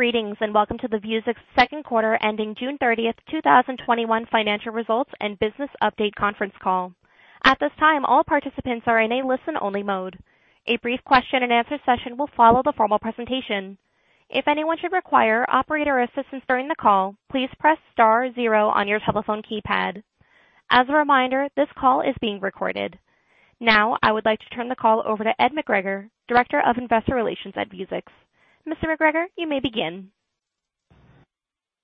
Greetings, and welcome to the Vuzix second quarter ending June 30th, 2021 financial results and business update conference call. At this time, all participants are in a listen-only mode. A brief question and answer session will follow the formal presentation. If anyone should require operator assistance during the call, please press star zero on your telephone keypad. As a reminder, this call is being recorded. Now, I would like to turn the call over to Ed McGregor, Director of Investor Relations at Vuzix. Mr. McGregor, you may begin.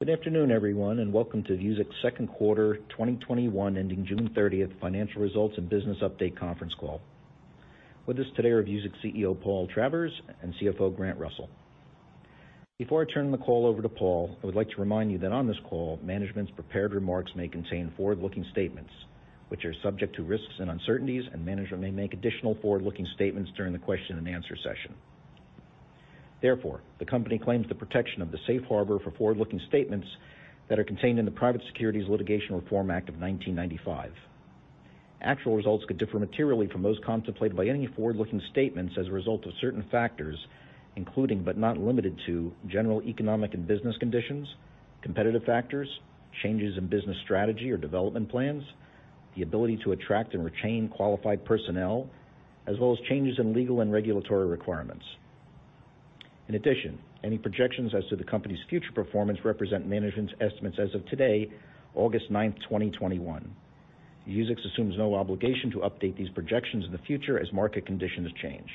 Good afternoon, everyone, and welcome to Vuzix second quarter 2021 ending June 30th financial results and business update conference call. With us today are Vuzix CEO, Paul Travers, and CFO, Grant Russell. Before I turn the call over to Paul, I would like to remind you that on this call, management's prepared remarks may contain forward-looking statements which are subject to risks and uncertainties, and management may make additional forward-looking statements during the question and answer session. Therefore, the company claims the protection of the safe harbor for forward-looking statements that are contained in the Private Securities Litigation Reform Act of 1995. Actual results could differ materially from those contemplated by any forward-looking statements as a result of certain factors, including, but not limited to, general economic and business conditions, competitive factors, changes in business strategy or development plans, the ability to attract and retain qualified personnel, as well as changes in legal and regulatory requirements. Any projections as to the company's future performance represent management's estimates as of today, August 9, 2021. Vuzix assumes no obligation to update these projections in the future as market conditions change.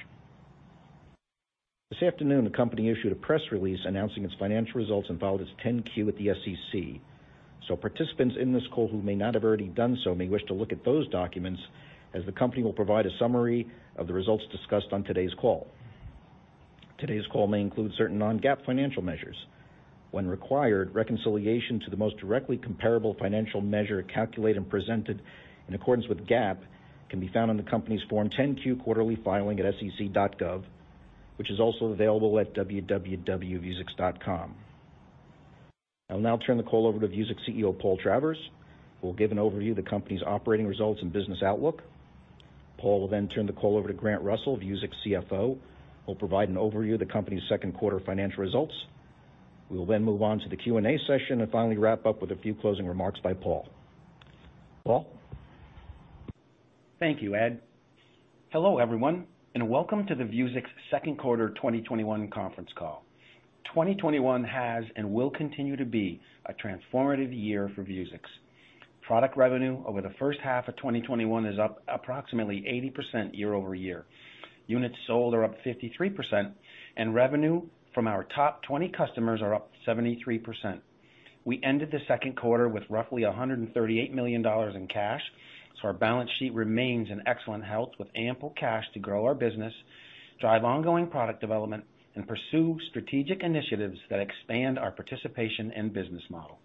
This afternoon, the company issued a press release announcing its financial results and filed its 10-Q at the SEC. Participants in this call who may not have already done so may wish to look at those documents, as the company will provide a summary of the results discussed on today's call. Today's call may include certain non-GAAP financial measures. When required, reconciliation to the most directly comparable financial measure calculated and presented in accordance with GAAP can be found on the company's Form 10-Q quarterly filing at sec.gov, which is also available at www.vuzix.com. I'll now turn the call over to Vuzix CEO, Paul Travers, who will give an overview of the company's operating results and business outlook. Paul will then turn the call over to Grant Russell, Vuzix CFO, who will provide an overview of the company's second quarter financial results. We will then move on to the Q&A session, and finally wrap up with a few closing remarks by Paul. Paul? Thank you, Ed. Hello, everyone, and welcome to the Vuzix second quarter 2021 conference call. 2021 has and will continue to be a transformative year for Vuzix. Product revenue over the first half of 2021 is up approximately 80% year-over-year. Units sold are up 53%, and revenue from our top 20 customers are up 73%. We ended the second quarter with roughly $138 million in cash, so our balance sheet remains in excellent health with ample cash to grow our business, drive ongoing product development, and pursue strategic initiatives that expand our participation and business model.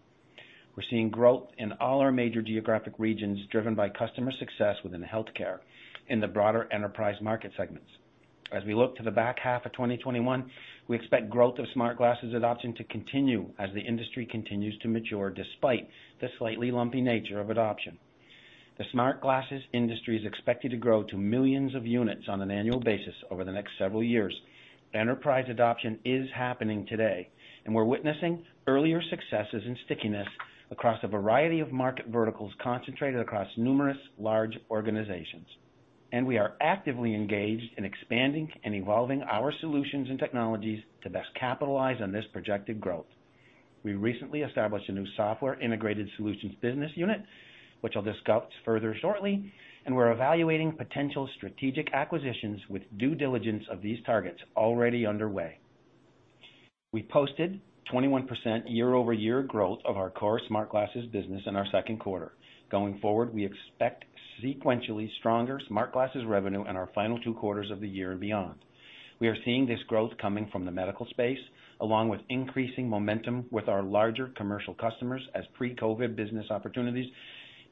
We're seeing growth in all our major geographic regions driven by customer success within healthcare in the broader enterprise market segments. As we look to the back half of 2021, we expect growth of smart glasses adoption to continue as the industry continues to mature, despite the slightly lumpy nature of adoption. The smart glasses industry is expected to grow to millions of units on an annual basis over the next several years. Enterprise adoption is happening today, we're witnessing earlier successes and stickiness across a variety of market verticals concentrated across numerous large organizations. We are actively engaged in expanding and evolving our solutions and technologies to best capitalize on this projected growth. We recently established a new software Integrated Solutions Business Unit, which I'll discuss further shortly, and we're evaluating potential strategic acquisitions with due diligence of these targets already underway. We posted 21% year-over-year growth of our core smart glasses business in our second quarter. Going forward, we expect sequentially stronger smart glasses revenue in our final two quarters of the year and beyond. We are seeing this growth coming from the medical space, along with increasing momentum with our larger commercial customers as pre-COVID business opportunities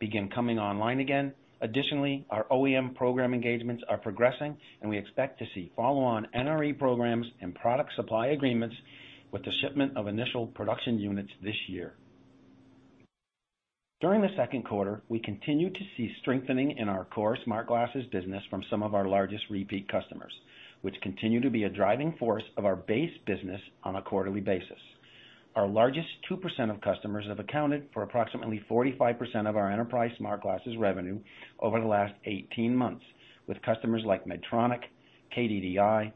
begin coming online again. Additionally, our OEM program engagements are progressing, and we expect to see follow-on NRE programs and product supply agreements with the shipment of initial production units this year. During the second quarter, we continued to see strengthening in our core smart glasses business from some of our largest repeat customers, which continue to be a driving force of our base business on a quarterly basis. Our largest 2% of customers have accounted for approximately 45% of our enterprise smart glasses revenue over the last 18 months with customers like Medtronic, KDDI,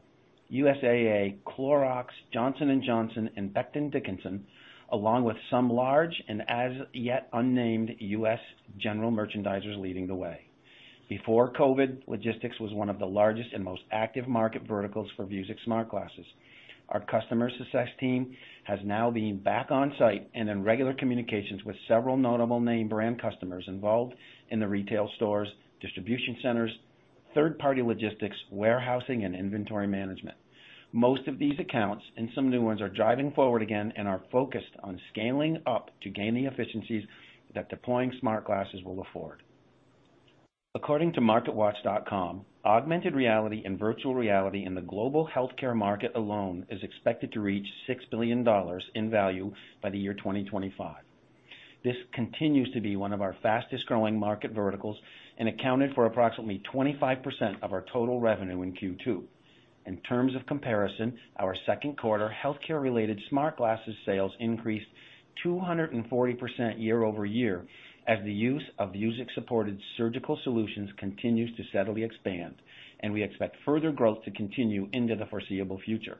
USAA, Clorox, Johnson & Johnson, and Becton Dickinson, along with some large and as yet unnamed U.S. general merchandisers leading the way. Before COVID, logistics was one of the largest and most active market verticals for Vuzix smart glasses. Our customer success team has now been back on site and in regular communications with several notable name brand customers involved in the retail stores, distribution centers, third-party logistics, warehousing, and inventory management. Most of these accounts and some new ones are driving forward again and are focused on scaling up to gain the efficiencies that deploying smart glasses will afford. According to marketwatch.com, augmented reality and virtual reality in the global healthcare market alone is expected to reach $6 billion in value by the year 2025. This continues to be one of our fastest-growing market verticals and accounted for approximately 25% of our total revenue in Q2. In terms of comparison, our second quarter healthcare-related smart glasses sales increased 240% year-over-year as the use of Vuzix-supported surgical solutions continues to steadily expand, and we expect further growth to continue into the foreseeable future.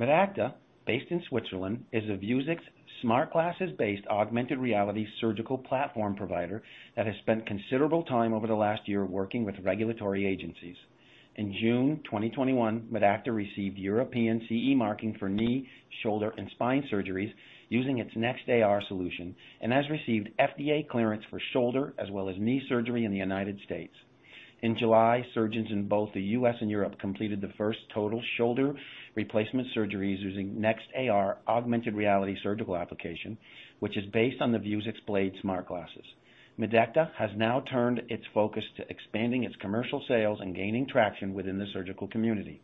Medacta, based in Switzerland, is a Vuzix Smart Glasses-based augmented reality surgical platform provider that has spent considerable time over the last year working with regulatory agencies. In June 2021, Medacta received European CE marking for knee, shoulder, and spine surgeries using its NextAR solution and has received FDA clearance for shoulder as well as knee surgery in the United States. In July, surgeons in both the U.S. and Europe completed the first total shoulder replacement surgeries using NextAR augmented reality surgical application, which is based on the Vuzix Blade smart glasses. Medacta has now turned its focus to expanding its commercial sales and gaining traction within the surgical community.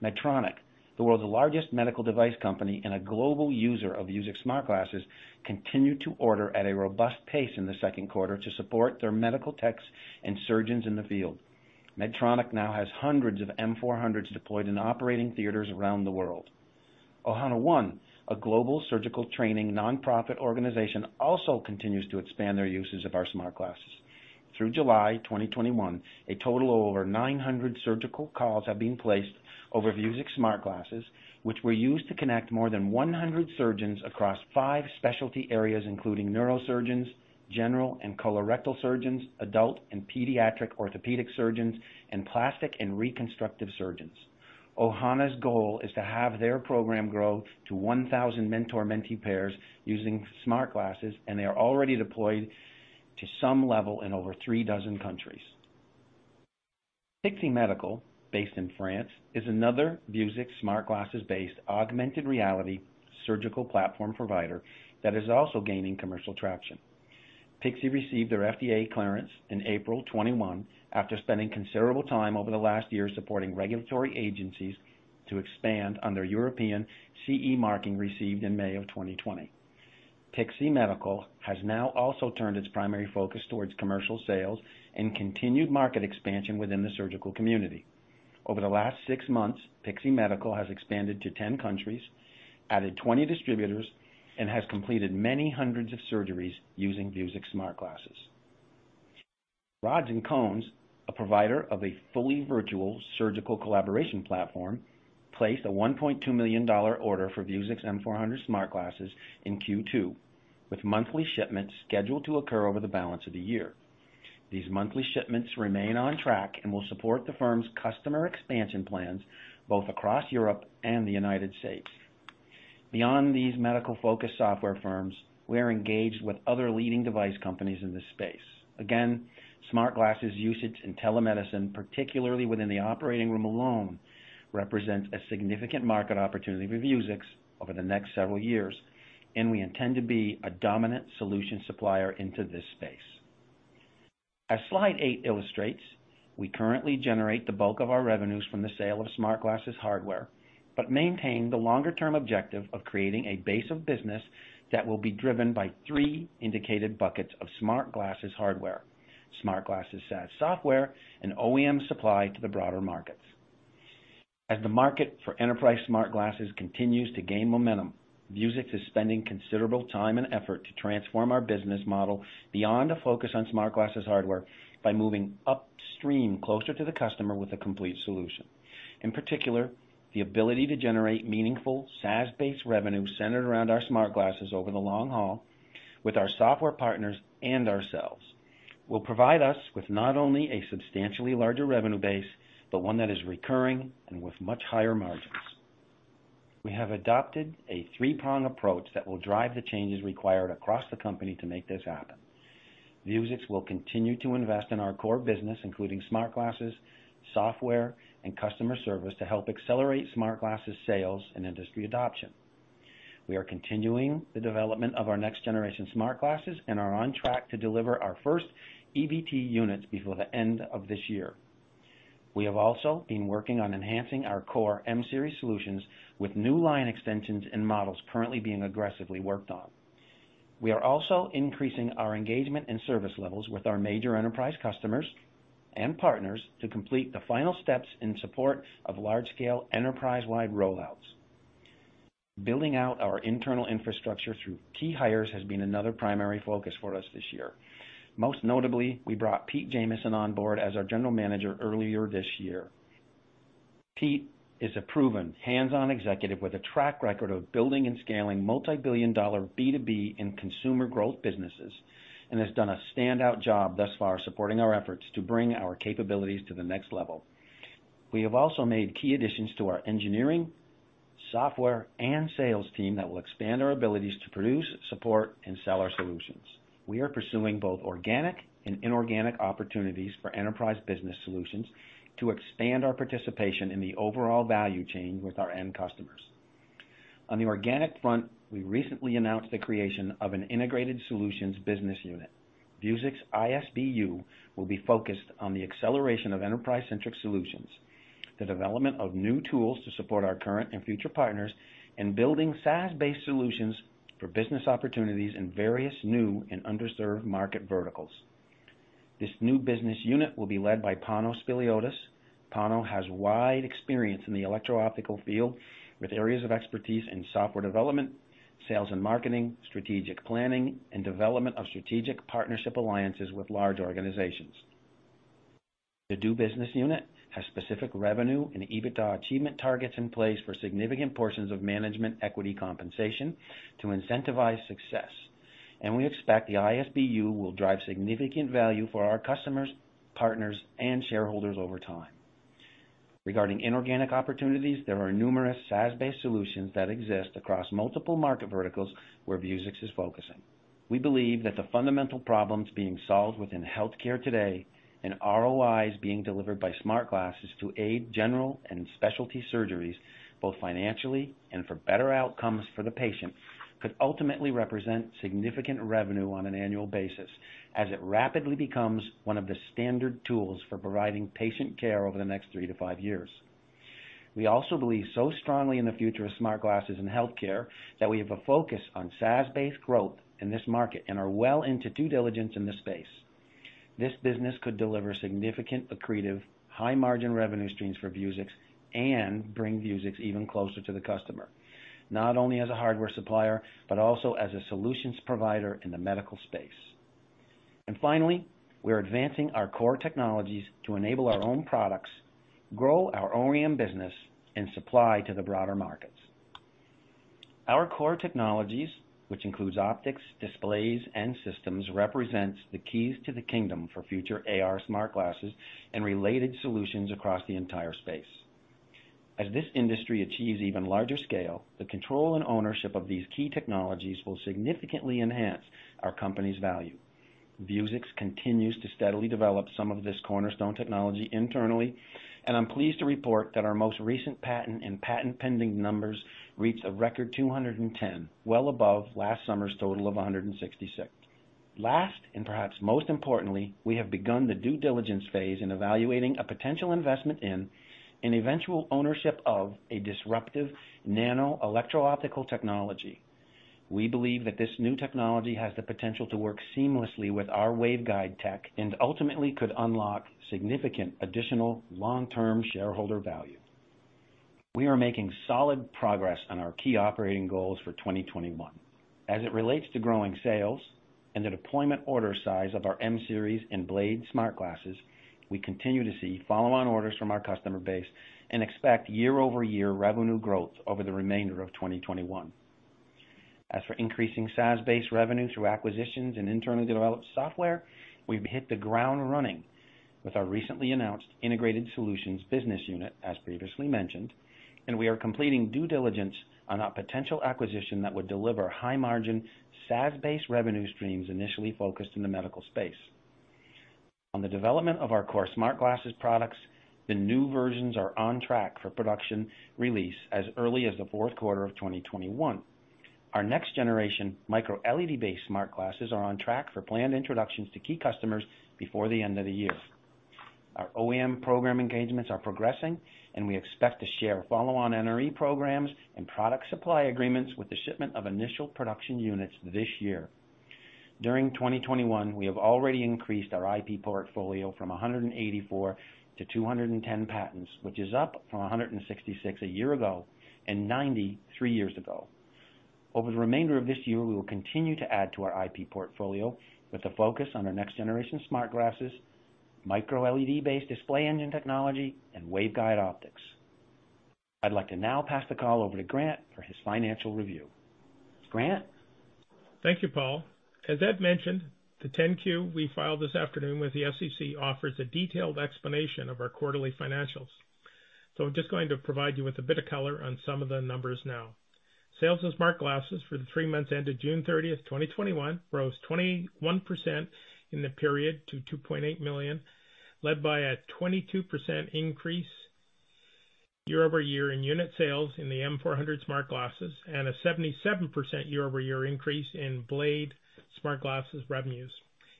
Medtronic, the world's largest medical device company and a global user of Vuzix smart glasses, continued to order at a robust pace in the second quarter to support their medical techs and surgeons in the field. Medtronic now has hundreds of M400s deployed in operating theaters around the world. Ohana One, a global surgical training non-profit organization, also continues to expand their uses of our smart glasses. Through July 2021, a total of over 900 surgical calls have been placed over Vuzix smart glasses, which were used to connect more than 100 surgeons across five specialty areas, including neurosurgeons, general and colorectal surgeons, adult and pediatric orthopedic surgeons, and plastic and reconstructive surgeons. Ohana's goal is to have their program grow to 1,000 mentor-mentee pairs using smart glasses, and they are already deployed to some level in over three dozen countries. Pixee Medical, based in France, is another Vuzix Smart Glasses-based augmented reality surgical platform provider that is also gaining commercial traction. Pixee received their FDA clearance in April 2021 after spending considerable time over the last year supporting regulatory agencies to expand on their European CE marking received in May 2020. Pixee Medical has now also turned its primary focus towards commercial sales and continued market expansion within the surgical community. Over the last six months, Pixee Medical has expanded to 10 countries, added 20 distributors, and has completed many hundreds of surgeries using Vuzix Smart Glasses. Rods & Cones, a provider of a fully virtual surgical collaboration platform, placed a $1.2 million order for Vuzix M400 Smart Glasses in Q2, with monthly shipments scheduled to occur over the balance of the year. These monthly shipments remain on track and will support the firm's customer expansion plans both across Europe and the U.S. Beyond these medical-focused software firms, we are engaged with other leading device companies in this space. Again, smart glasses usage in telemedicine, particularly within the operating room alone, represents a significant market opportunity for Vuzix over the next several years, and we intend to be a dominant solution supplier into this space. As slide eight illustrates, we currently generate the bulk of our revenues from the sale of smart glasses hardware, but maintain the longer-term objective of creating a base of business that will be driven by three indicated buckets of smart glasses hardware, smart glasses SaaS software, and OEM supply to the broader markets. As the market for enterprise smart glasses continues to gain momentum, Vuzix is spending considerable time and effort to transform our business model beyond a focus on smart glasses hardware by moving upstream closer to the customer with a complete solution. In particular, the ability to generate meaningful SaaS-based revenue centered around our smart glasses over the long haul with our software partners and ourselves will provide us with not only a substantially larger revenue base, but one that is recurring and with much higher margins. We have adopted a three-pronged approach that will drive the changes required across the company to make this happen. Vuzix will continue to invest in our core business, including smart glasses, software, and customer service, to help accelerate smart glasses sales and industry adoption. We are continuing the development of our next-generation smart glasses and are on track to deliver our first EVT units before the end of this year. We have also been working on enhancing our core M-Series solutions with new line extensions and models currently being aggressively worked on. We are also increasing our engagement and service levels with our major enterprise customers and partners to complete the final steps in support of large-scale enterprise-wide rollouts. Building out our internal infrastructure through key hires has been another primary focus for us this year. Most notably, we brought Pete Jameson on board as our general manager earlier this year. Pete is a proven hands-on executive with a track record of building and scaling multi-billion dollar B2B and consumer growth businesses and has done a standout job thus far supporting our efforts to bring our capabilities to the next level. We have also made key additions to our engineering, software, and sales team that will expand our abilities to produce, support, and sell our solutions. We are pursuing both organic and inorganic opportunities for enterprise business solutions to expand our participation in the overall value chain with our end customers. On the organic front, we recently announced the creation of an Integrated Solutions Business Unit. Vuzix ISBU will be focused on the acceleration of enterprise-centric solutions, the development of new tools to support our current and future partners, and building SaaS-based solutions for business opportunities in various new and underserved market verticals. This new business unit will be led by Pano Spiliotis. Pano has wide experience in the electro-optical field with areas of expertise in software development, sales and marketing, strategic planning, and development of strategic partnership alliances with large organizations. The new business unit has specific revenue and EBITDA achievement targets in place for significant portions of management equity compensation to incentivize success, and we expect the ISBU will drive significant value for our customers, partners, and shareholders over time. Regarding inorganic opportunities, there are numerous SaaS-based solutions that exist across multiple market verticals where Vuzix is focusing. We believe that the fundamental problems being solved within healthcare today and ROIs being delivered by smart glasses to aid general and specialty surgeries, both financially and for better outcomes for the patient, could ultimately represent significant revenue on an annual basis as it rapidly becomes one of the standard tools for providing patient care over the next three to five years. We also believe so strongly in the future of smart glasses in healthcare that we have a focus on SaaS-based growth in this market and are well into due diligence in this space. This business could deliver significant accretive high-margin revenue streams for Vuzix and bring Vuzix even closer to the customer, not only as a hardware supplier, but also as a solutions provider in the medical space. Finally, we're advancing our core technologies to enable our own products, grow our OEM business, and supply to the broader markets. Our core technologies, which includes optics, displays, and systems, represents the keys to the kingdom for future AR smart glasses and related solutions across the entire space. As this industry achieves even larger scale, the control and ownership of these key technologies will significantly enhance our company's value. Vuzix continues to steadily develop some of this cornerstone technology internally, and I'm pleased to report that our most recent patent and patent pending numbers reached a record 210, well above last summer's total of 166. Last, perhaps most importantly, we have begun the due diligence phase in evaluating a potential investment in an eventual ownership of a disruptive nano electro-optical technology. We believe that this new technology has the potential to work seamlessly with our waveguide tech and ultimately could unlock significant additional long-term shareholder value. We are making solid progress on our key operating goals for 2021. As it relates to growing sales and the deployment order size of our M-Series and Blade smart glasses, we continue to see follow-on orders from our customer base and expect year-over-year revenue growth over the remainder of 2021. As for increasing SaaS-based revenue through acquisitions and internally developed software, we've hit the ground running with our recently announced Integrated Solutions Business Unit, as previously mentioned, and we are completing due diligence on a potential acquisition that would deliver high-margin, SaaS-based revenue streams initially focused in the medical space. On the development of our core smart glasses products, the new versions are on track for production release as early as the fourth quarter of 2021. Our next generation micro-LED-based smart glasses are on track for planned introductions to key customers before the end of the year. Our OEM program engagements are progressing, and we expect to share follow-on NRE programs and product supply agreements with the shipment of initial production units this year. During 2021, we have already increased our IP portfolio from 184-210 patents, which is up from 166 a year ago and 90 three years ago. Over the remainder of this year, we will continue to add to our IP portfolio with a focus on our next generation smart glasses, micro-LED-based display engine technology, and waveguide optics. I'd like to now pass the call over to Grant for his financial review. Grant? Thank you, Paul. As Ed mentioned, the 10-Q we filed this afternoon with the SEC offers a detailed explanation of our quarterly financials. I'm just going to provide you with a bit of color on some of the numbers now. Sales of smart glasses for the three months ended June 30th, 2021, rose 21% in the period to $2.8 million, led by a 22% year-over-year increase in unit sales in the M400 Smart Glasses and a 77% year-over-year increase in Blade smart glasses revenues.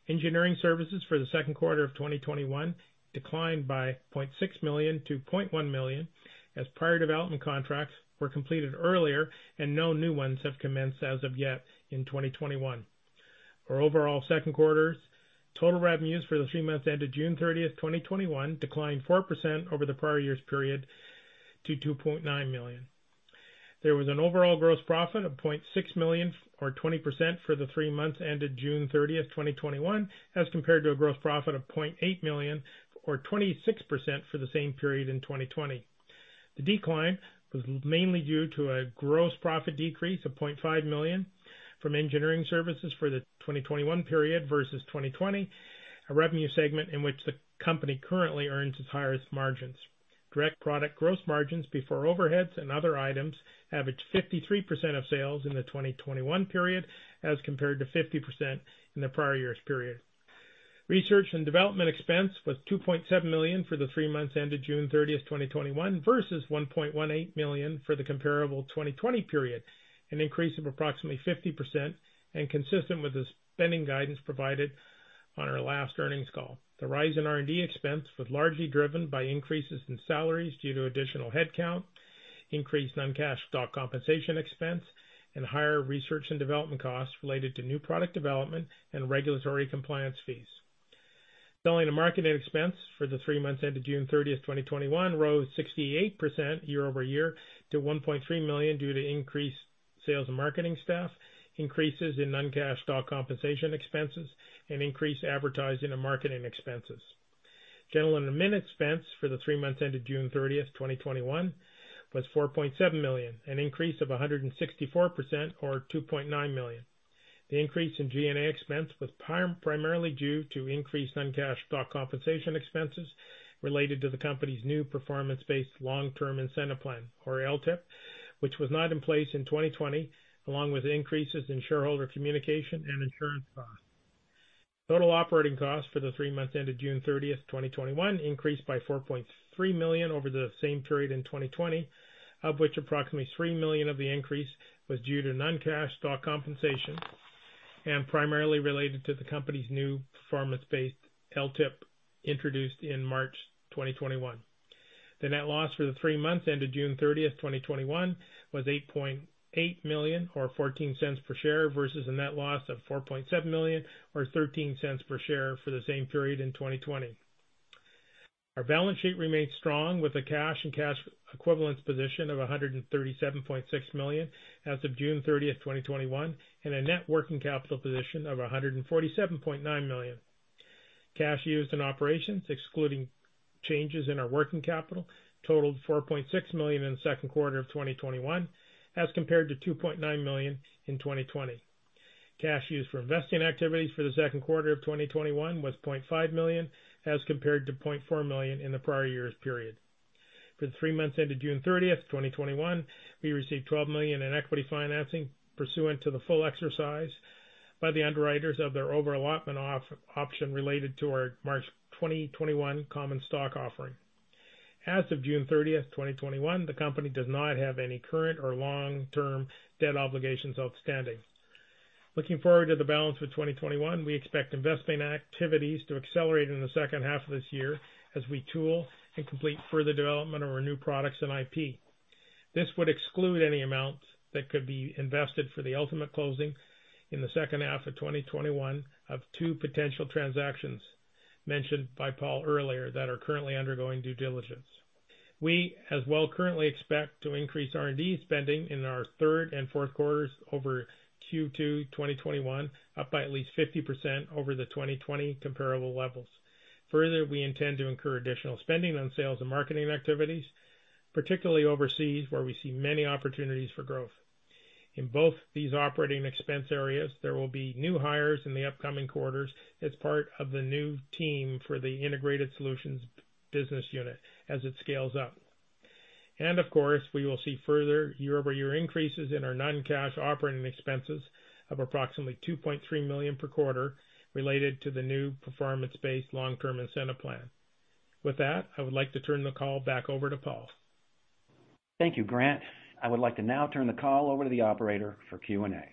Engineering services for the second quarter of 2021 declined by $0.6 million to $0.1 million as prior development contracts were completed earlier and no new ones have commenced as of yet in 2021. Our overall 2nd quarter's total revenues for the three months ended June 30th, 2021, declined 4% over the prior year's period to $2.9 million. There was an overall gross profit of $0.6 million, or 20%, for the three months ended June 30th, 2021, as compared to a gross profit of $0.8 million, or 26%, for the same period in 2020. The decline was mainly due to a gross profit decrease of $0.5 million from engineering services for the 2021 period versus 2020, a revenue segment in which the company currently earns its highest margins. Direct product gross margins before overheads and other items averaged 53% of sales in the 2021 period as compared to 50% in the prior year's period. Research and development expense was $2.7 million for the three months ended June 30th, 2021, versus $1.18 million for the comparable 2020 period, an increase of approximately 50% and consistent with the spending guidance provided on our last earnings call. The rise in R&D expense was largely driven by increases in salaries due to additional headcount, increased non-cash stock compensation expense, and higher research and development costs related to new product development and regulatory compliance fees. Selling and marketing expense for the three months ended June 30, 2021, rose 68% year-over-year to $1.3 million due to increased sales and marketing staff, increases in non-cash stock compensation expenses, and increased advertising and marketing expenses. General and admin expense for the three months ended June 30, 2021, was $4.7 million, an increase of 164%, or $2.9 million. The increase in G&A expense was primarily due to increased non-cash stock compensation expenses related to the company's new performance-based long-term incentive plan, or LTIP, which was not in place in 2020, along with increases in shareholder communication and insurance costs. Total operating costs for the 3 months ended June 30th, 2021, increased by $4.3 million over the same period in 2020, of which approximately $3 million of the increase was due to non-cash stock compensation and primarily related to the company's new performance-based LTIP introduced in March 2021. The net loss for the three months ended June 30th, 2021, was $8.8 million, or $0.14 per share, versus a net loss of $4.7 million or $0.13 per share for the same period in 2020. Our balance sheet remains strong with a cash and cash equivalents position of $137.6 million as of June 30th, 2021, and a net working capital position of $147.9 million. Cash used in operations, excluding changes in our working capital, totaled $4.6 million in the second quarter of 2021 as compared to $2.9 million in 2020. Cash used for investing activities for the second quarter of 2021 was $0.5 million, as compared to $0.4 million in the prior year's period. For the three months ended June 30th, 2021, we received $12 million in equity financing pursuant to the full exercise by the underwriters of their over-allotment option related to our March 2021 common stock offering. As of June 30th, 2021, the company does not have any current or long-term debt obligations outstanding. Looking forward to the balance for 2021, we expect investing activities to accelerate in the second half of this year as we tool and complete further development of our new products and IP. This would exclude any amounts that could be invested for the ultimate closing in the second half of 2021 of two potential transactions mentioned by Paul earlier that are currently undergoing due diligence. We as well currently expect to increase R&D spending in our third and fourth quarters over Q2 2021, up by at least 50% over the 2020 comparable levels. Further, we intend to incur additional spending on sales and marketing activities, particularly overseas, where we see many opportunities for growth. In both these operating expense areas, there will be new hires in the upcoming quarters as part of the new team for the Integrated Solutions Business Unit as it scales up. Of course, we will see further year-over-year increases in our non-cash operating expenses of approximately $2.3 million per quarter related to the new performance-based long-term incentive plan. With that, I would like to turn the call back over to Paul. Thank you, Grant. I would like to now turn the call over to the operator for Q&A.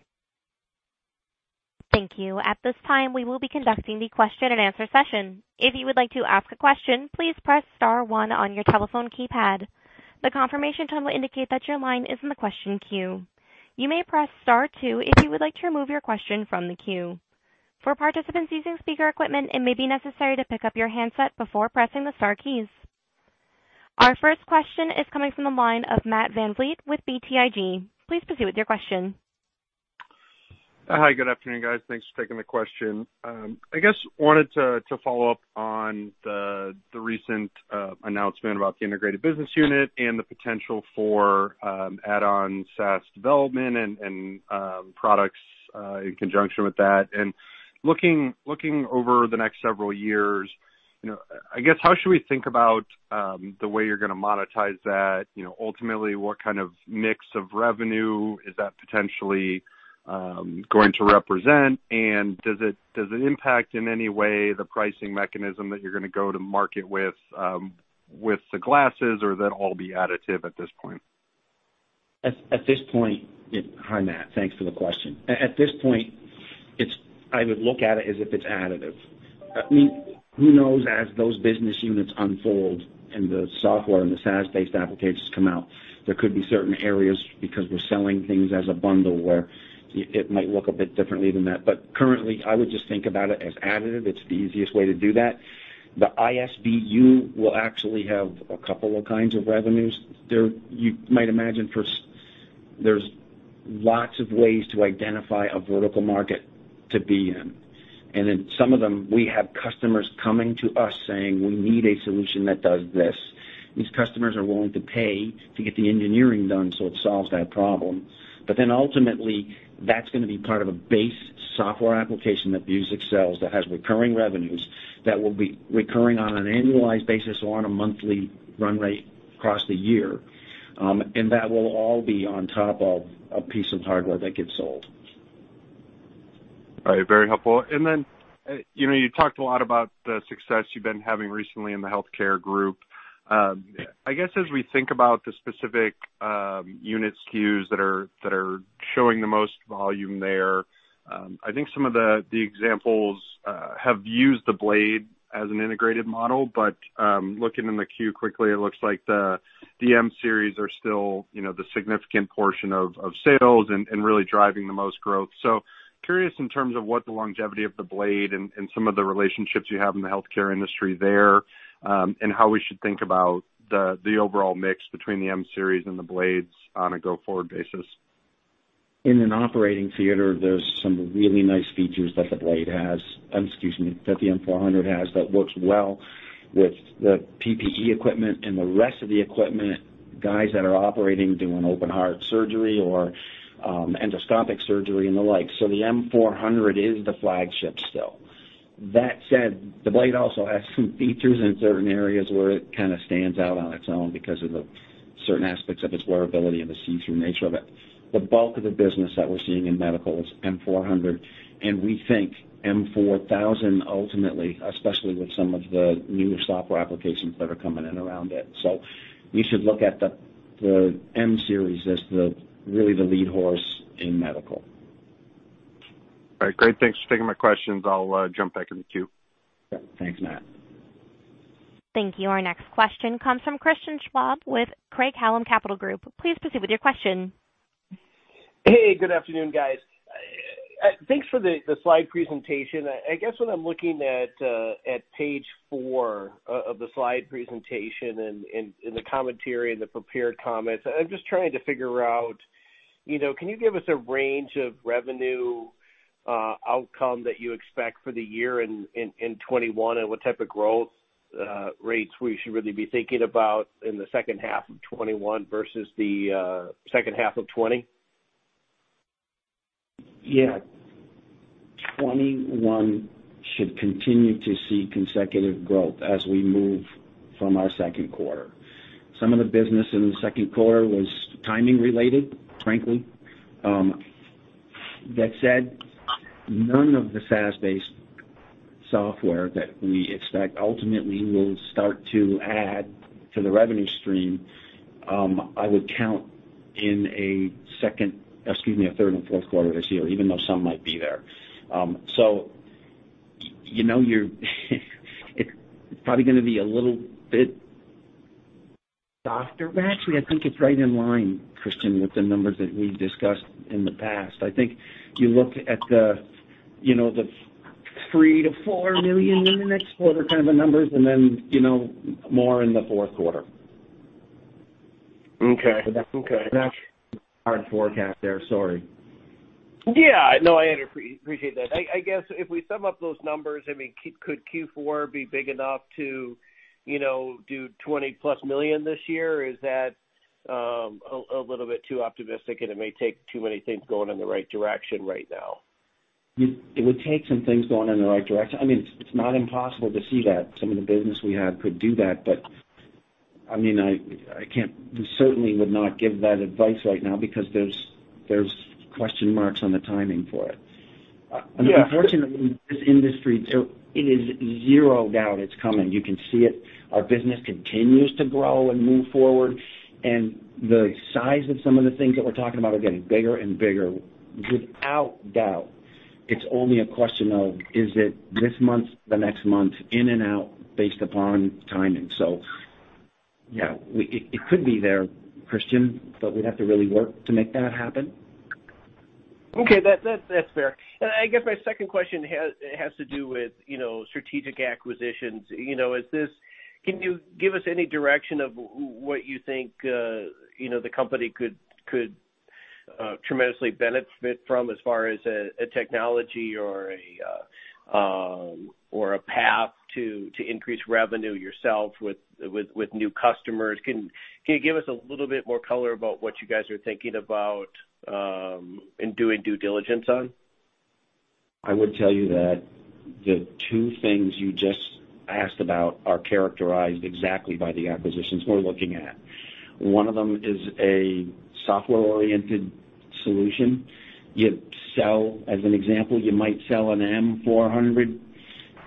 Thank you. At this time, we will be conducting the question and answer session. If you would like to ask a question, please press star one on your telephone keypad. The confirmation tone will indicate that your line is in the question queue. You may press star two if you would like to remove your question from the queue. For participants using speaker equipment, it may be necessary to pick up your handset before pressing the star keys. Our first question is coming from the line of Matt VanVliet with BTIG. Please proceed with your question. Hi. Good afternoon, guys. Thanks for taking the question. I guess, wanted to follow up on the recent announcement about the Integrated Business Unit and the potential for add-on SaaS development and products in conjunction with that. Looking over the next several years, I guess, how should we think about the way you're going to monetize that? Ultimately, what kind of mix of revenue is that potentially going to represent, and does it impact in any way the pricing mechanism that you're going to go to market with the glasses, or will that all be additive at this point? Hi, Matt. Thanks for the question. At this point, I would look at it as if it's additive. Who knows, as those business units unfold and the software and the SaaS-based applications come out, there could be certain areas, because we're selling things as a bundle, where it might look a bit differently than that. Currently, I would just think about it as additive. It's the easiest way to do that. The ISBU will actually have a couple of kinds of revenues. You might imagine there's lots of ways to identify a vertical market to be in. In some of them, we have customers coming to us saying, "We need a solution that does this." These customers are willing to pay to get the engineering done so it solves that problem. Ultimately, that's going to be part of a base software application that Vuzix sells that has recurring revenues that will be recurring on an annualized basis or on a monthly run rate across the year. That will all be on top of a piece of hardware that gets sold. All right. Very helpful. You talked a lot about the success you've been having recently in the healthcare group. I guess as we think about the specific unit SKUs that are showing the most volume there, I think some of the examples have used the Blade as an integrated model. Looking in the 10-Q quickly, it looks like the M-Series are still the significant portion of sales and really driving the most growth. Curious in terms of what the longevity of the Blade and some of the relationships you have in the healthcare industry there, and how we should think about the overall mix between the M-Series and the Blades on a go-forward basis. In an operating theater, there's some really nice features that the Blade has, that the M400 has that works well with the PPE equipment and the rest of the equipment, guys that are operating, doing open heart surgery or endoscopic surgery and the like. The M400 is the flagship still. That said, the Blade also has some features in certain areas where it kind of stands out on its own because of the certain aspects of its wearability and the see-through nature of it. The bulk of the business that we're seeing in medical is M400, and we think M4000 ultimately, especially with some of the newer software applications that are coming in around it. You should look at the M-Series as really the lead horse in medical. All right, great. Thanks for taking my questions. I'll jump back in the queue. Yeah. Thanks, Matt. Thank you. Our next question comes from Christian Schwab with Craig-Hallum Capital Group. Please proceed with your question. Hey, good afternoon, guys. Thanks for the slide presentation. I guess when I'm looking at page four of the slide presentation and in the commentary, in the prepared comments, I'm just trying to figure out, can you give us a range of revenue outcome that you expect for the year in 2021, and what type of growth rates we should really be thinking about in the second half of 2021 versus the second half of 2020? Yeah. 2021 should continue to see consecutive growth as we move from our second quarter. Some of the business in the second quarter was timing related, frankly. That said, none of the SaaS-based software that we expect ultimately will start to add to the revenue stream, I would count, excuse me, a third and fourth quarter this year, even though some might be there. It's probably going to be a little bit softer. Actually, I think it's right in line, Christian, with the numbers that we've discussed in the past. I think you look at the $3 million-$4 million in the next quarter kind of the numbers and then more in the fourth quarter. Okay. That's our forecast there. Sorry. Yeah. No, I appreciate that. I guess if we sum up those numbers, could Q4 be big enough to do $20 million plus this year? Is that a little bit too optimistic, and it may take too many things going in the right direction right now? It would take some things going in the right direction. It's not impossible to see that some of the business we have could do that. I certainly would not give that advice right now because there's question marks on the timing for it. Yeah. Unfortunately, this industry, it is zero doubt it's coming. You can see it. Our business continues to grow and move forward, the size of some of the things that we're talking about are getting bigger and bigger. Without doubt. It's only a question of, is it this month, the next month, in and out, based upon timing. Yeah, it could be there, Christian, but we'd have to really work to make that happen. Okay. That's fair. I guess my second question has to do with strategic acquisitions. Can you give us any direction of what you think the company could tremendously benefit from as far as a technology or a path to increase revenue yourself with new customers? Can you give us a little bit more color about what you guys are thinking about, and doing due diligence on? I would tell you that the two things you just asked about are characterized exactly by the acquisitions we're looking at. One of them is a software-oriented solution. As an example, you might sell an M400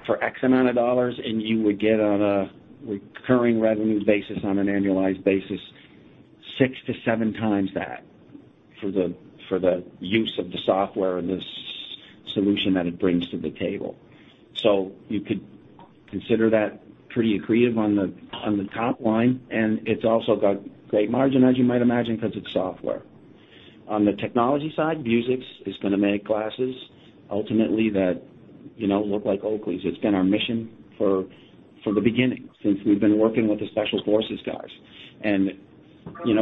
for X amount of dollars, and you would get on a recurring revenue basis on an annualized basis, six to seven times that for the use of the software and the solution that it brings to the table. You could consider that pretty accretive on the top line, and it's also got great margin, as you might imagine, because it's software. On the technology side, Vuzix is going to make glasses ultimately that look like Oakleys. It's been our mission from the beginning, since we've been working with the Special Forces guys. We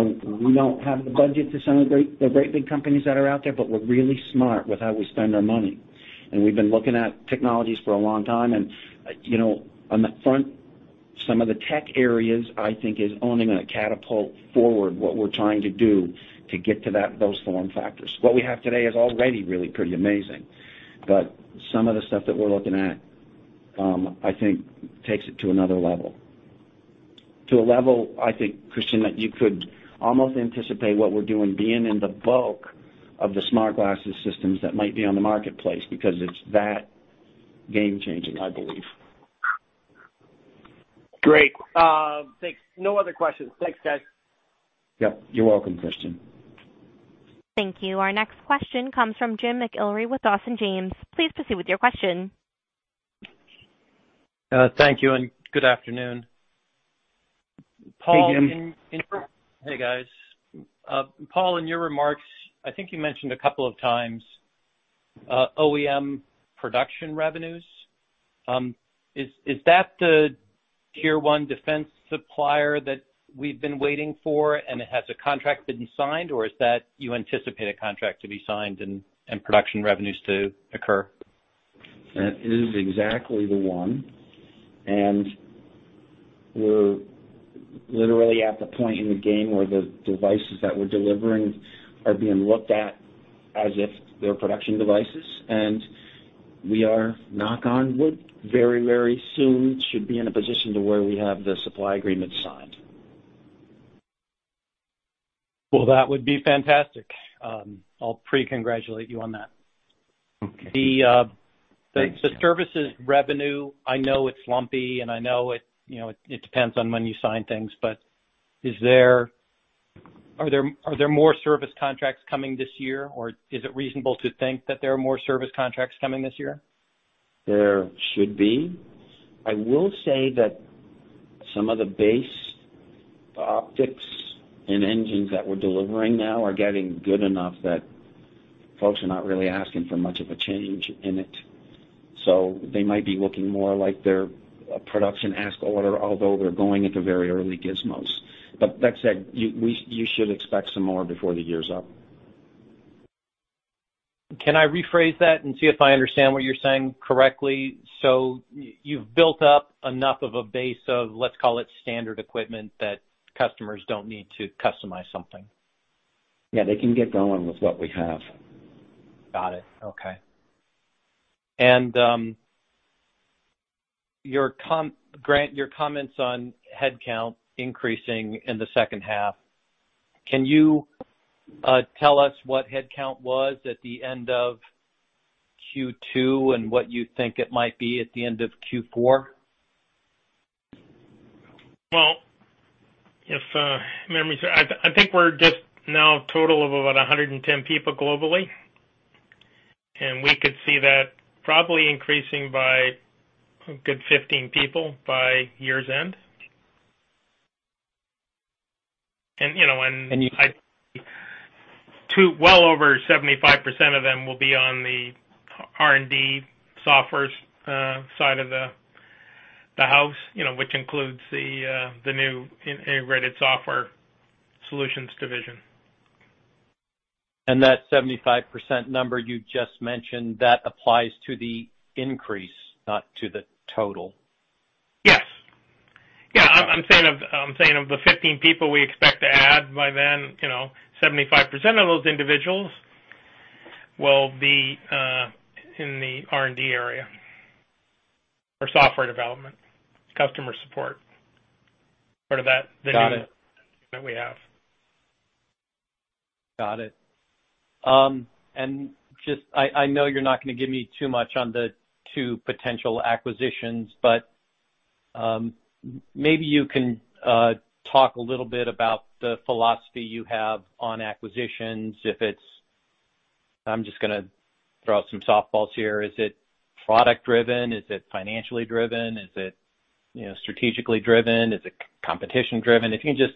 don't have the budget to some of the great big companies that are out there, but we're really smart with how we spend our money, and we've been looking at technologies for a long time. On the front, some of the tech areas I think is only going to catapult forward what we're trying to do to get to those form factors. What we have today is already really pretty amazing, but some of the stuff that we're looking at, I think takes it to another level. To a level, I think, Christian, that you could almost anticipate what we're doing being in the bulk of the smart glasses systems that might be on the marketplace, because it's that game-changing, I believe. Great. Thanks. No other questions. Thanks, guys. Yep, you're welcome, Christian. Thank you. Our next question comes from Jim McIlree with Dawson James. Please proceed with your question. Thank you, and good afternoon. Hey, Jim. Hey, guys. Paul, in your remarks, I think you mentioned a couple of times, OEM production revenues. Is that the tier 1 defense supplier that we've been waiting for? Has a contract been signed or is that you anticipate a contract to be signed and production revenues to occur? That is exactly the one. We're literally at the point in the game where the devices that we're delivering are being looked at as if they're production devices. We are, knock on wood, very soon should be in a position to where we have the supply agreement signed. Well, that would be fantastic. I'll pre-congratulate you on that. Okay. Thanks, Jim. The services revenue, I know it's lumpy, and I know it depends on when you sign things, but are there more service contracts coming this year, or is it reasonable to think that there are more service contracts coming this year? There should be. I will say that some of the base optics and engines that we're delivering now are getting good enough that folks are not really asking for much of a change in it. They might be looking more like their production ask order, although they're going into very early gizmos. That said, you should expect some more before the year's up. Can I rephrase that and see if I understand what you're saying correctly? You've built up enough of a base of, let's call it standard equipment that customers don't need to customize something. Yeah, they can get going with what we have. Got it. Okay. Grant, your comments on headcount increasing in the second half, can you tell us what headcount was at the end of Q2 and what you think it might be at the end of Q4? Well, if memory serves, I think we're just now a total of about 110 people globally. We could see that probably increasing by a good 15 people by year's end. And you- Well over 75% of them will be on the R&D software side of the house which includes the new Integrated Software Solutions Division. That 75% number you just mentioned, that applies to the increase, not to the total? Yes. I'm saying of the 15 people we expect to add by then, 75% of those individuals will be in the R&D area or software development, customer support. Got it. That we have. Got it. I know you're not going to give me too much on the two potential acquisitions, but maybe you can talk a little bit about the philosophy you have on acquisitions, if it's-- I'm just going to throw out some softballs here. Is it product driven? Is it financially driven? Is it strategically driven? Is it competition driven? If you can just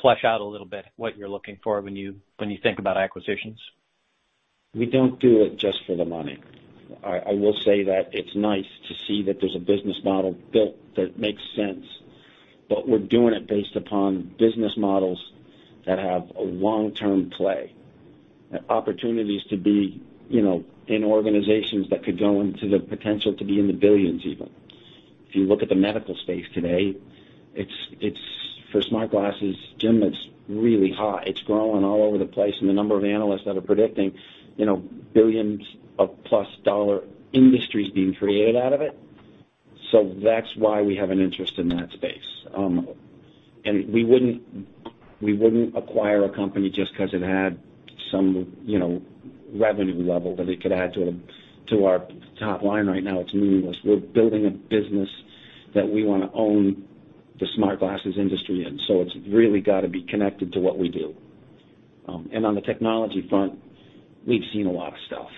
flesh out a little bit what you're looking for when you think about acquisitions. We don't do it just for the money. I will say that it's nice to see that there's a business model built that makes sense, but we're doing it based upon business models that have a long-term play. Opportunities to be in organizations that could go into the potential to be in the billions even. If you look at the medical space today, for smart glasses, Jim, it's really hot. It's growing all over the place, and the number of analysts that are predicting billions of plus dollar industries being created out of it. That's why we have an interest in that space. We wouldn't acquire a company just because it had some revenue level that it could add to our top line. Right now, it's meaningless. We're building a business that we want to own the smart glasses industry in. It's really got to be connected to what we do. On the technology front, we've seen a lot of stuff.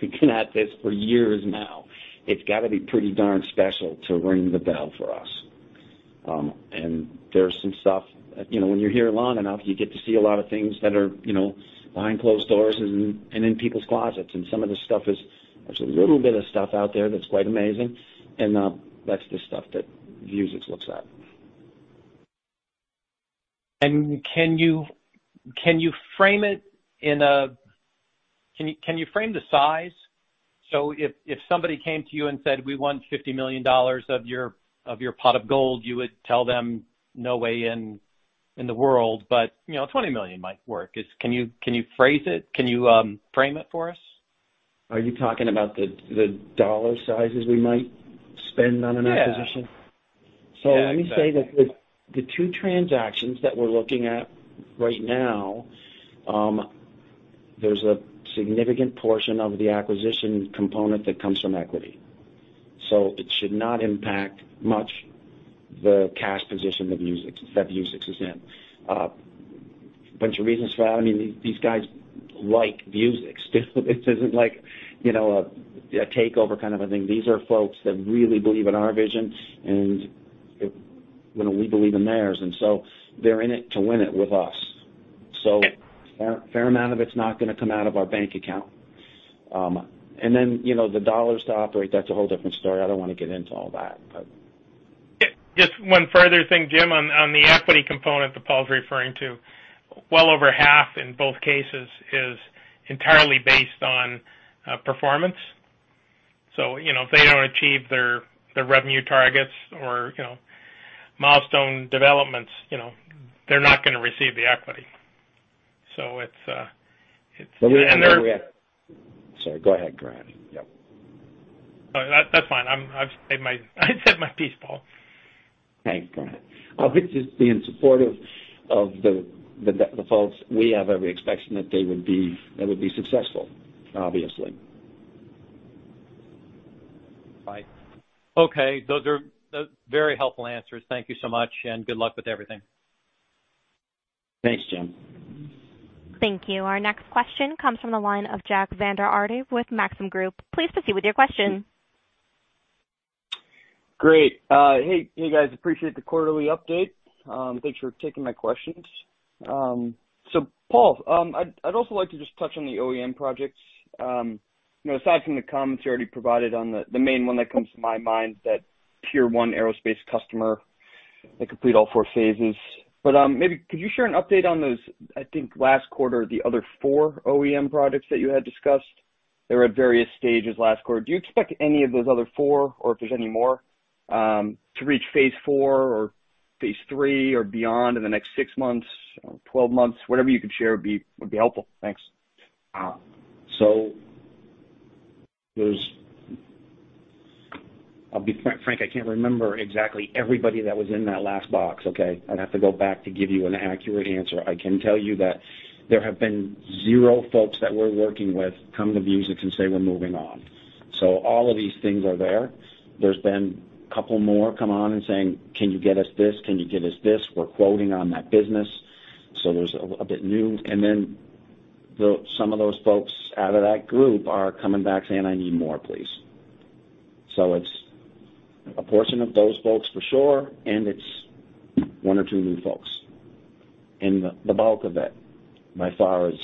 We've been at this for years now. It's got to be pretty darn special to ring the bell for us. There's some stuff, when you're here long enough, you get to see a lot of things that are behind closed doors and in people's closets. Some of the stuff is, there's a little bit of stuff out there that's quite amazing. That's the stuff that Vuzix looks at. Can you frame the size? If somebody came to you and said, "We want $50 million of your pot of gold," you would tell them, "No way in the world, but $20 million might work. Can you phrase it? Can you frame it for us? Are you talking about the dollar sizes we might spend on an acquisition? Yeah. Let me say that the two transactions that we're looking at right now, there's a significant portion of the acquisition component that comes from equity. It should not impact much the cash position that Vuzix is in. A bunch of reasons for that. These guys like Vuzix too. This isn't like a takeover kind of a thing. These are folks that really believe in our vision, and we believe in theirs. They're in it to win it with us. A fair amount of it's not going to come out of our bank account. The dollars to operate, that's a whole different story. I don't want to get into all that. Just one further thing, Jim, on the equity component that Paul's referring to. Well over half in both cases is entirely based on performance. If they don't achieve their revenue targets or milestone developments, they're not going to receive the equity. Sorry, go ahead, Grant. Yep. No, that's fine. I've said my piece, Paul. Thanks, Grant. This is being supportive of the folks. We have every expectation that they would be successful, obviously. Right. Okay. Those are very helpful answers. Thank you so much, and good luck with everything. Thanks, Jim. Thank you. Our next question comes from the line of Jack Vander Aarde with Maxim Group. Please proceed with your question. Great. Hey guys, appreciate the quarterly update. Thanks for taking my questions. Paul, I'd also like to just touch on the OEM projects. Aside from the comments you already provided on the main one that comes to my mind, that tier 1 aerospace customer that complete all four phases. Maybe could you share an update on those, I think last quarter, the other four OEM projects that you had discussed? They were at various stages last quarter. Do you expect any of those other four, or if there's any more, to reach Phase Four or Phase Three or beyond in the next six months or 12 months? Whatever you could share would be helpful. Thanks. There's I'll be frank, I can't remember exactly everybody that was in that last box, okay? I'd have to go back to give you an accurate answer. I can tell you that there have been 0 folks that we're working with come to Vuzix and say, "We're moving on." All of these things are there. There's been a couple more come on and saying, "Can you get us this? Can you get us this? We're quoting on that business." There's a bit new, and then some of those folks out of that group are coming back saying, "I need more, please." It's a portion of those folks for sure, and it's one or two new folks. The bulk of it, by far, is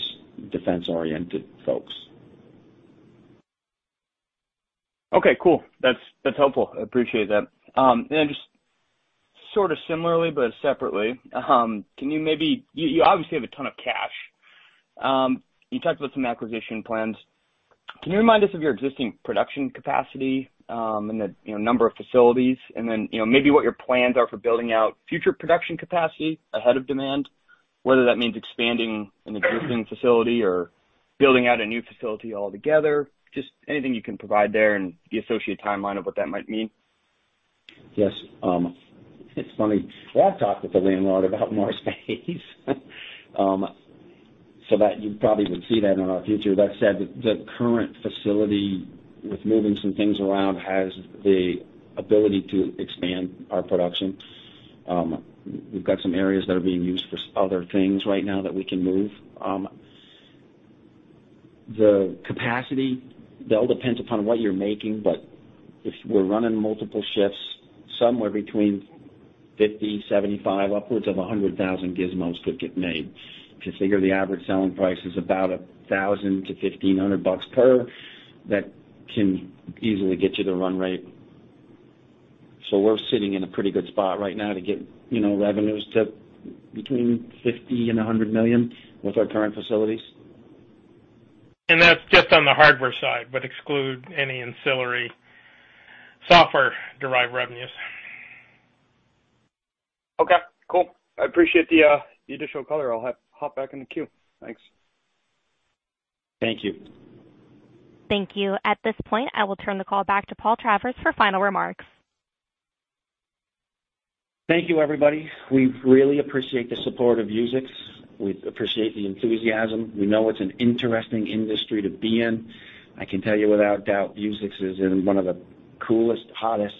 defense-oriented folks. Okay, cool. That's helpful. I appreciate that. Just sort of similarly but separately, you obviously have a ton of cash. You talked about some acquisition plans. Can you remind us of your existing production capacity, and the number of facilities, and then maybe what your plans are for building out future production capacity ahead of demand, whether that means expanding an existing facility or building out a new facility altogether? Just anything you can provide there and the associated timeline of what that might mean. Yes. It's funny. Well, I've talked with the landlord about more space. That you probably would see that in our future. That said, the current facility with moving some things around has the ability to expand our production. We've got some areas that are being used for other things right now that we can move. The capacity, that all depends upon what you're making, but if we're running multiple shifts, somewhere between 50, 75, upwards of 100,000 gizmos could get made. If you figure the average selling price is about $1,000-$1,500 per, that can easily get you the run rate. We're sitting in a pretty good spot right now to get revenues to between $50 million and $100 million with our current facilities. That's just on the hardware side, but exclude any ancillary software-derived revenues. Okay, cool. I appreciate the additional color. I'll hop back in the queue. Thanks. Thank you. Thank you. At this point, I will turn the call back to Paul Travers for final remarks. Thank you, everybody. We really appreciate the support of Vuzix. We appreciate the enthusiasm. We know it's an interesting industry to be in. I can tell you without a doubt, Vuzix is in one of the coolest, hottest,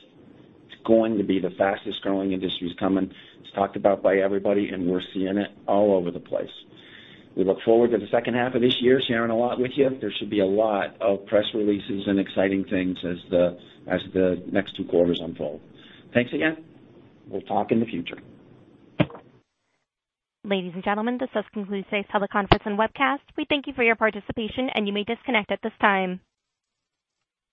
it's going to be the fastest-growing industries coming. It's talked about by everybody. We're seeing it all over the place. We look forward to the second half of this year, sharing a lot with you. There should be a lot of press releases and exciting things as the next two quarters unfold. Thanks again. We'll talk in the future. Ladies and gentlemen, this does conclude today's teleconference and webcast. We thank you for your participation, and you may disconnect at this time.